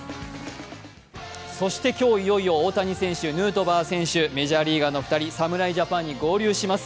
そして今日、いよいよ大谷選手、ヌートバー選手、メジャーリーガーの２人、侍ジャパンに合流します。